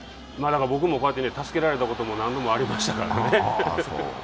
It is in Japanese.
僕も助けられたことも何度もありましたから。